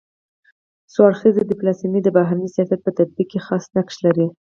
څو اړخیزه ډيپلوماسي د بهرني سیاست په تطبیق کي خاص نقش لري.